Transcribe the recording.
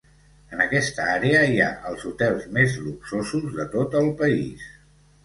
En aquesta àrea hi ha els hotels més luxosos de tot el país.